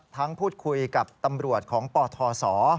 ทั้งพูดคุยกับตำรวจของปศส